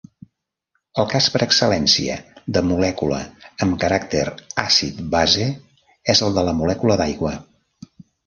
El cas per excel·lència de molècula amb caràcter àcid-base és el de la molècula d'aigua.